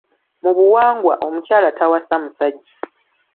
Mu buwangwa omukyala tawasa musajja.